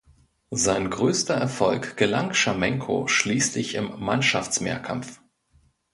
Sein größter Erfolg gelang Schamenko schließlich im Mannschaftsmehrkampf.